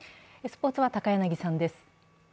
スポーツは高柳さんです。